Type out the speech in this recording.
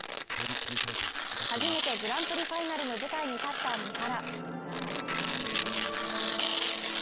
初めてグランプリファイナルの舞台に立った三原。